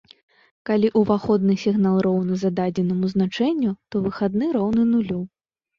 Калі уваходны сігнал роўны зададзенаму значэнню, то выхадны роўны нулю.